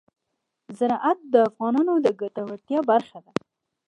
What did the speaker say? زراعت د افغانانو د ګټورتیا برخه ده.